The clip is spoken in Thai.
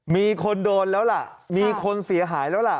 มีคนโดนแล้วล่ะมีคนเสียหายแล้วล่ะ